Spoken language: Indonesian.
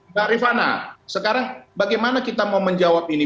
mbak rifana sekarang bagaimana kita mau menjawab ini